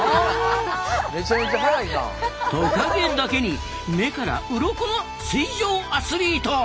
トカゲだけに目からウロコの水上アスリート！